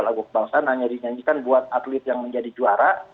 lagu kebangsaan hanya dinyanyikan buat atlet yang menjadi juara